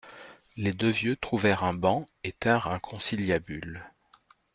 Les deux vieux trouvèrent un banc et tinrent un conciliabule.